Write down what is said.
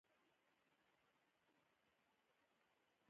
هغه کابل ته په بده خاطرې سره ستون شوی و.